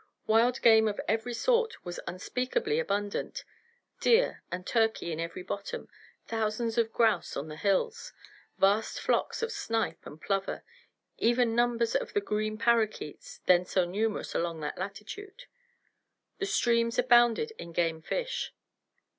Wild game of every sort was unspeakably abundant deer and turkey in every bottom, thousands of grouse on the hills, vast flocks of snipe and plover, even numbers of the green parrakeets then so numerous along that latitude. The streams abounded in game fish.